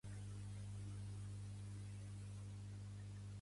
Diu que té plantetes al·lucinògenes a dalt el terrat